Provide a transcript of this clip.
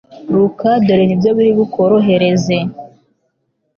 ruka dore nibyo biri bukorohereze